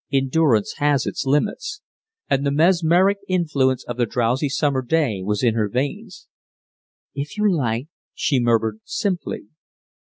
Endurance has its limits, and the mesmeric influence of the drowsy summer day was in her veins. "If you like," she murmured, simply....